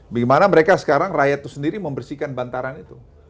bagaimana mereka sekarang rakyat itu sendiri membersihkan bantaran itu